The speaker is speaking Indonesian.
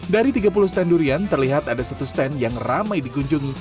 dari tiga puluh stand durian terlihat ada satu stand yang ramai dikunjungi